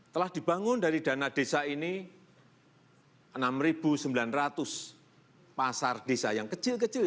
telah dibangun dari dana desa ini enam sembilan ratus pasar desa yang kecil kecil